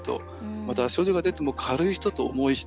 または症状が出ても軽い人と、重い人。